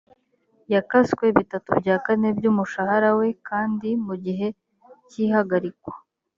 yakaswe bitatu bya kane by’umushahara we kandi mu gihe cy’ihagarikwa